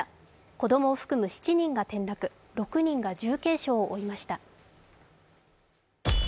子供を含む７人が転落、６人が重軽傷を負いました。